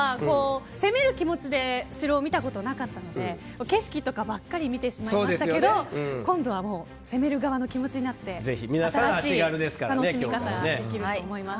攻める気持ちで城を見たことがなかったので景色とかばかり見てしまいましたけど今度は攻める側の気持ちになって新しい楽しみ方できると思います。